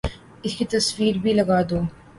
اس کی تصویر بھی لگا دو